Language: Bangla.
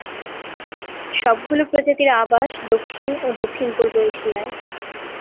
সবগুলো প্রজাতির আবাস দক্ষিণ ও দক্ষিণ-পূর্ব এশিয়ায়।